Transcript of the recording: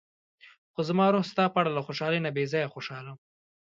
خو زما روح ستا په اړه له خوشحالۍ نه بې ځايه خوشاله و.